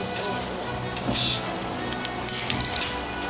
よし！